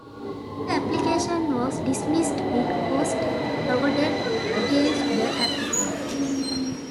The application was dismissed with costs awarded against the applicant.